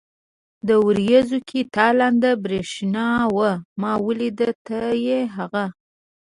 ورېځو کې تالنده برېښنا وه، ما وېل ته يې هغه.